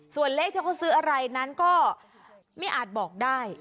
ส่วนเลขที่เขาซื้ออะไรนั้นก็ไม่อาจบอกได้